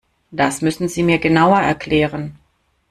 Das müssen Sie mir genauer erklären.